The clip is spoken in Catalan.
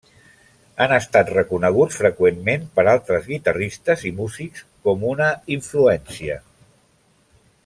Han estat reconeguts freqüentment per altres guitarristes i músics com una influència.